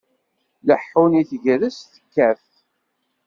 Ileḥḥun i tegrest tekkat.